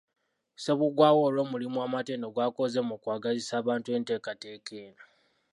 Ssebuggwaawo olw'omulimu amatendo gw'akoze mu kwagazisa abantu enteekateeka eno.